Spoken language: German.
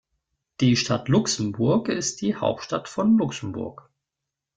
Die Stadt Luxemburg ist die Hauptstadt von Luxemburg.